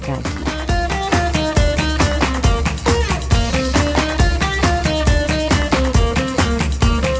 kedelai dikeringkan dan diberikan air